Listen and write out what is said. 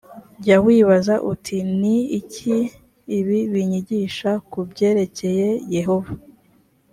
jya wibaza uti ni iki ibi binyigisha ku byerekeye yehova